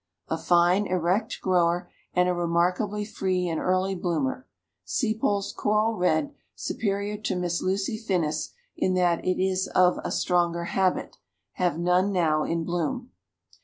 A fine, erect grower, and a remarkably free and early bloomer. Sepals coral red. Superior to Miss Lucy Finnis in that it is of a stronger habit. Have none now in bloom."